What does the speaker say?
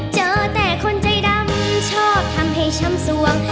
เจอแต่คนใจดำชอบทำให้ช้ำสวง